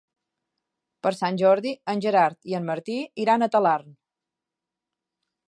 Per Sant Jordi en Gerard i en Martí iran a Talarn.